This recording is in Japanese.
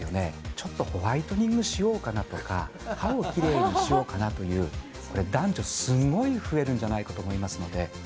ちょっとホワイトニングしようかなとか、歯をきれいにしようかなという、これ男女、すごい増えるんじゃないかと思うので。